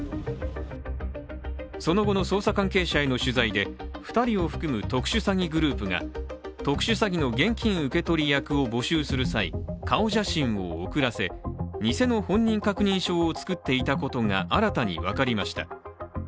その後の捜査関係者への取材で２人を含む特殊詐欺グループが特殊詐欺の現金受け取り役を募集する際、顔写真を送らせ偽の本人確認書を作っていたことが新たに分かりました。